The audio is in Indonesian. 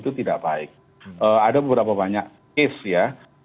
ada beberapa banyak case ya